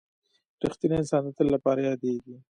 • رښتینی انسان د تل لپاره یادېږي.